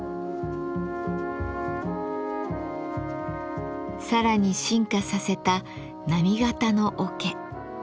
さらに進化させた波型の桶。